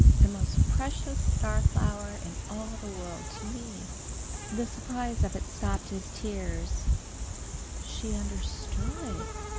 The most precious star flower in all the world to me!" The surprise of it stopped his tears. She understood!